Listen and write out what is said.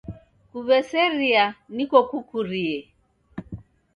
Kuweseria niko kukurie.